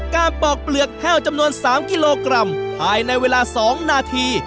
ปอกเปลือกแห้วจำนวน๓กิโลกรัมภายในเวลา๒นาที